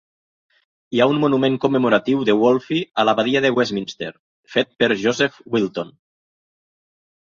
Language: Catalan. Hi ha un monument commemoratiu de Wolfe a l'abadia de Westminster fet per Joseph Wilton.